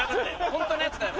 ホントのやつだよ。